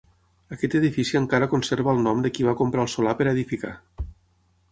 Aquest edifici encara conserva el nom de qui va comprar el solar per a edificar.